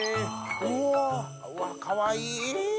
うわかわいい！